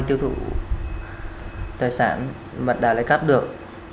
tiêu thụ tài sản mật đà lấy cắp được